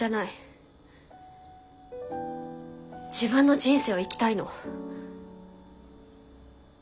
自分の人生を生きたいの。